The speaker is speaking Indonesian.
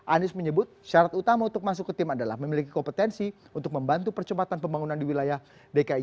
anies menyebut syarat utama untuk masuk ke tim adalah memiliki kompetensi untuk membantu percepatan pembangunan di wilayah dki jakarta